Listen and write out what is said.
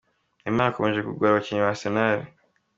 Neymar yakomeje kugora bakinnyi ba Arsenal